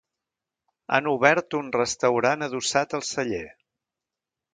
Han obert un restaurant adossat al celler.